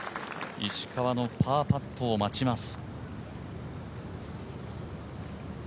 石川のパーパットを待ちます。